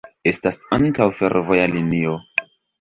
Estas ankaŭ fervoja linio.